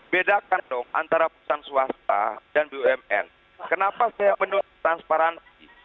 bedakan dong antara perusahaan swasta dan bumn kenapa saya menurut transparansi